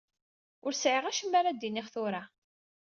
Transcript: Ur sɛiɣ acemma ara d-iniɣ tura.